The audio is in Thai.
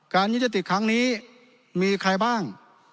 การยื่นยัตติครั้งนี้มีใครบ้าง